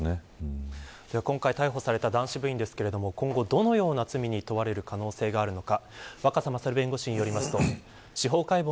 今回逮捕された男子部員ですけれども今後、どのような罪に問われる可能性があるのか。